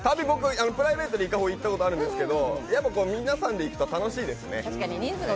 プライベートで伊香保に行った事あるんですけれど、皆さんで行くと楽しいですね。